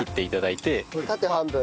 縦半分。